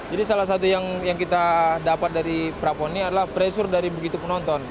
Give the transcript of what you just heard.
jadi salah satu yang kita dapat dari prapon ini adalah pressure dari begitu penonton